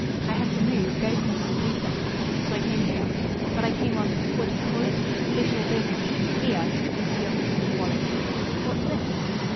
I had to move, go somewhere, do something; so I came here. But I came on what do you call it? official business. Here!" She offered him the wallet. "What's this?"